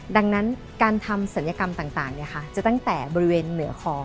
ดังนั้นการทำศัลยกรรมต่างจะตั้งแต่บริเวณเหนือคอ